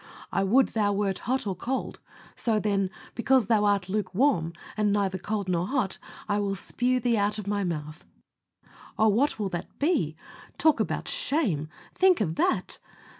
"I would thou wert cold or hot. So, then, because thou art lukewarm, and neither cold nor hot, I will spue thee out of My mouth." Oh! what will that be? Talk about shame! Think of that!